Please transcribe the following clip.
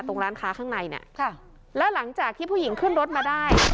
ร้านค้าข้างในเนี่ยแล้วหลังจากที่ผู้หญิงขึ้นรถมาได้